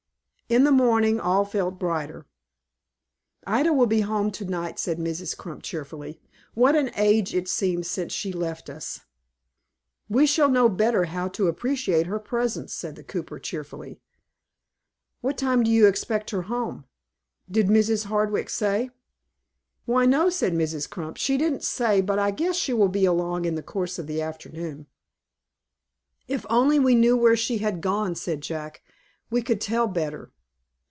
In the morning all felt brighter. "Ida will be home to night," said Mrs. Crump, cheerfully. "What an age it seems since she left us!" "We shall know better how to appreciate her presence," said the cooper, cheerfully. "What time do you expect her home? Did Mrs. Hardwick say?" "Why no," said Mrs. Crump, "she didn't say, but I guess she will be along in the course of the afternoon." "If we only knew where she had gone," said Jack, "we could tell better."